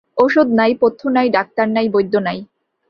ঔষধ নাই, পথ্য নাই, ডাক্তার নাই, বৈদ্য নাই।